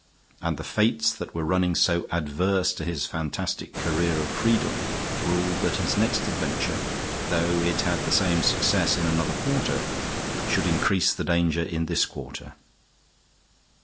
And the fates that were running so adverse to his fantastic career of freedom ruled that his next adventure, though it had the same success in another quarter, should increase the danger in this quarter.